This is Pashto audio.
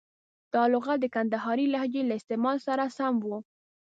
دا لغت د کندهارۍ لهجې له استعمال سره سم و.